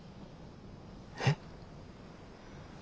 えっ？